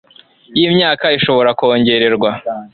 y imyaka ishobora kongererwa